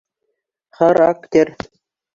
Характер!